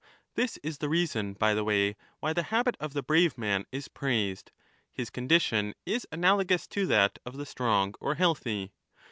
This is the reason, by the way, why the habit of the brave man is praised ; his con dition is analogous to that of the strong or healthy.